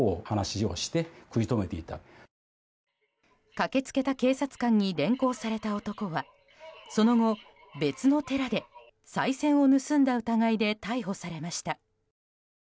駆け付けた警察官に連行された男はその後、別の寺でさい銭を盗んだ疑いで逮捕されました。